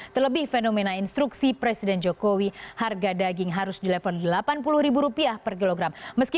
terlebih fenomena instruksi presiden jokowi harga daging harus di level delapan puluh rupiah per kilogram meski